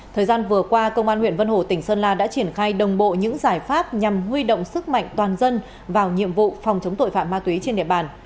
thời gian vừa qua công an huyện vân hồ tỉnh sơn la đã triển khai đồng bộ những giải pháp nhằm huy động sức mạnh toàn dân vào nhiệm vụ phòng chống tội phạm ma túy trên địa bàn